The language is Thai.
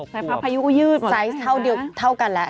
๖ปวบไพรส์ภายุก็ยืดหมดแล้วนะฮะไซส์เท่ากันแล้ว